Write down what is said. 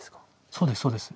そうですそうです。